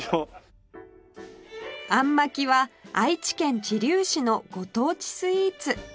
あんまきは愛知県知立市のご当地スイーツ